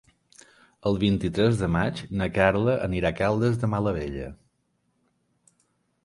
El vint-i-tres de maig na Carla anirà a Caldes de Malavella.